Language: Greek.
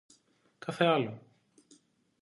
Κάθε άλλο